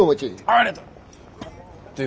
ありがとう。